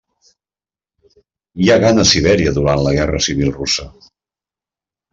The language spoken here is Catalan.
Hi ha gana a Sibèria durant la Guerra Civil Russa.